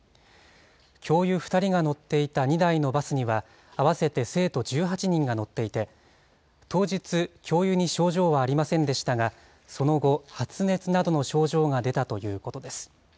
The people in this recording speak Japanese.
教諭２人が乗っていた２台のバスには合わせて生徒１８人が乗っていて、当日、教諭に症状はありませんでしたが、その後、発熱などの症状が出たということです。